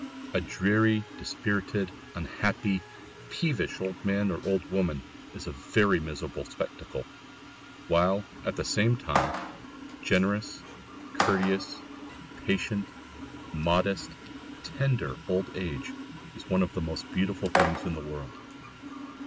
A dreary, dispirited, unhappy, peevish old man or old woman is a very miserable spectacle; while, at the same time, generous, courteous, patient, modest, tender old age is one of the most beautiful things in the world.